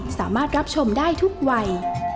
สามารถรับชมได้ทุกวัย